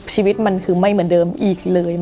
ชีวิตมันคือไม่เหมือนเดิมอีกเลย